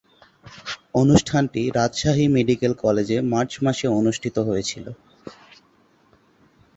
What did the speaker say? অনুষ্ঠানটি রাজশাহী মেডিকেল কলেজে মার্চ মাসে অনুষ্ঠিত হয়েছিলো।